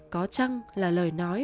có chăng là lời nói